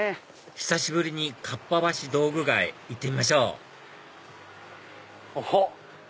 久しぶりにかっぱ橋道具街行ってみましょうおっ！